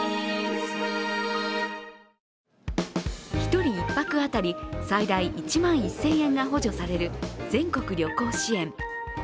１人１泊当たり最大１万１０００円が補助される全国旅行支援。